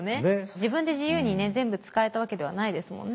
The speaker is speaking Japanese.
自分で自由にね全部使えたわけではないですもんね。